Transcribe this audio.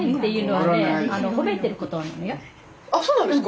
あそうなんですか？